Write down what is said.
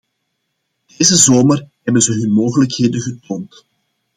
Deze zomer hebben ze hun mogelijkheden getoond.